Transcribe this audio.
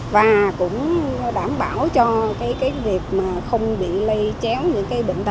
và cũng đảm bảo cho cái việc mà không bị lây chéo những cây bệnh